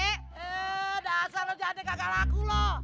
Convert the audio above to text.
eh dasar lo jalannya kakak laku lo